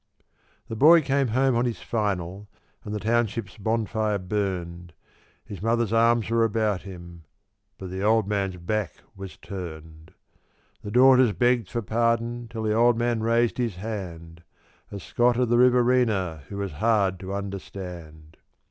The boy came home on his "final", and the township's bonfire burned. His mother's arms were about him; but the old man's back was turned. The daughters begged for pardon till the old man raised his hand A Scot of the Riverina who was hard to understand.